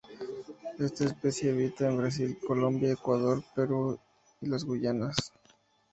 Esta especie habita en Brasil, Colombia, Ecuador, Perú y las Guayanas.